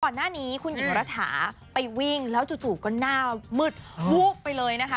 ก่อนหน้านี้คุณหญิงรัฐาไปวิ่งแล้วจู่ก็หน้ามืดวูบไปเลยนะคะ